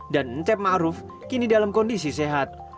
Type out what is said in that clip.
dan ncep ma'ruf kini dalam kondisi sehat